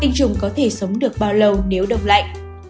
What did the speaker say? tinh trùng có thể sống được bao lâu nếu đông lạnh